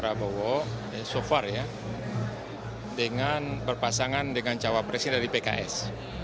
dan mencalonkan pak prabowo so far ya dengan berpasangan dengan cawa pres ini dari pks